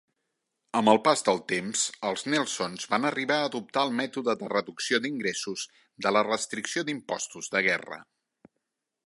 Amb el pas del temps, els Nelsons van arribar a adoptar el mètode de reducció d'ingressos de la restricció d'impostos de guerra.